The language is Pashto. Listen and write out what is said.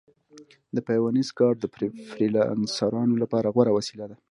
د پیونیر کارډ د فریلانسرانو لپاره غوره وسیله ده.